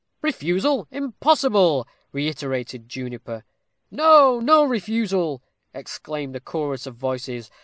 "Refusal impossible!" reiterated Juniper. "No; no refusal," exclaimed a chorus of voices.